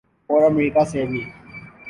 اورامریکہ سے بھی۔